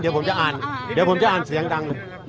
เดี๋ยวผมจะอ่านเดี๋ยวผมจะอ่านเสียงดัง